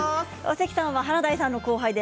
関さんは華大さんの後輩で。